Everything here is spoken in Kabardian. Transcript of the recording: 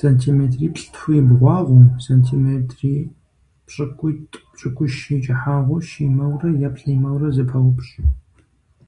Сантиметриплӏ-тху и бгъуагъыу, сантиметр пщыкӏутӏ-пщыкӏущ и кӀыхьагъыу щимэурэ е плӀимэурэ зэпаупщӀ.